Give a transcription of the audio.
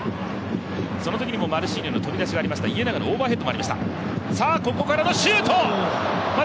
そのときにもマルシーニョの飛び出しもありました、家長のオーバーヘッドもありました。